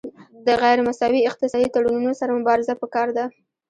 د غیر مساوي اقتصادي تړونونو سره مبارزه پکار ده